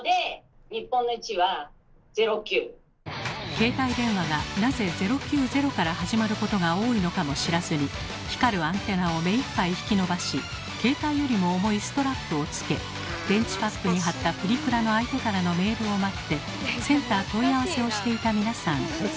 携帯電話がなぜ「０９０」から始まることが多いのかも知らずに光るアンテナを目いっぱい引き伸ばし携帯よりも重いストラップをつけ電池パックに貼ったプリクラの相手からのメールを待ってセンター問い合わせをしていた皆さん。